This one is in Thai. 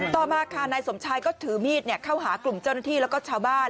ต่อมาค่ะนายสมชายก็ถือมีดเข้าหากลุ่มเจ้าหน้าที่แล้วก็ชาวบ้าน